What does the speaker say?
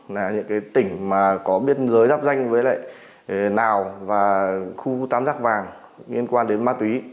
là những tỉnh có biên giới giáp danh với lại nào và khu tám giác vàng liên quan đến ma túy